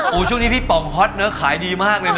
โหช่วงที่พี่ป๋องฮ็อตเนอะขายดีมากเลยเนอะ